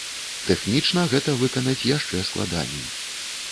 Тэхнічна гэта выканаць яшчэ складаней.